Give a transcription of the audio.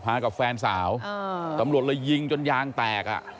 กับแฟนสาวตำรวจเลยยิงจนยางแตกอ่ะ